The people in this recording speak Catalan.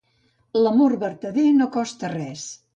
L'amor vertader no costa res.